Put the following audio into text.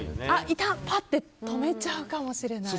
いた！ってパッて止めちゃうかもしれない。